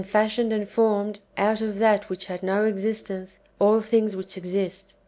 85 fashioned and formed, out of that which had no existence, all things which exist.